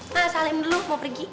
pak salim dulu mau pergi